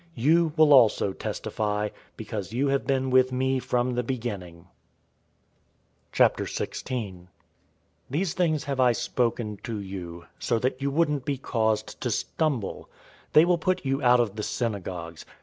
015:027 You will also testify, because you have been with me from the beginning. 016:001 "These things have I spoken to you, so that you wouldn't be caused to stumble. 016:002 They will put you out of the synagogues.